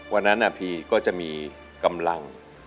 วันนั้นพีก็จะมีกำลัง